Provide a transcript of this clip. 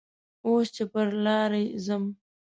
اوس چې پر لارې ځم